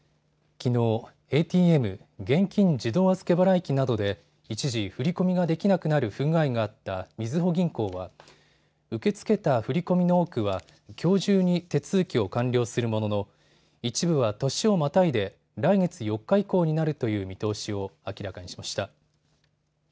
きのう、ＡＴＭ＝現金自動預け払い機などで一時、振り込みができなくなる不具合があったみずほ銀行はきょう中に手続きを完了するものの一部は、年をまたいで来月４日以降になるという見通しを明らかにしました。